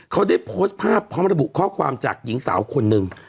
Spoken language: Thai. เขาได้โพสต์ภาพพร้อมระบุข้อความจากหญิงสาวคนหนึ่ง